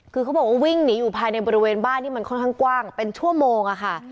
คือเขาบอกว่าวิ่งหนีอยู่ภายในบริเวณบ้านที่มันค่อนข้างกว้างเป็นชั่วโมงค่ะ